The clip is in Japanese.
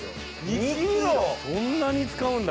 そんなに使うんだ。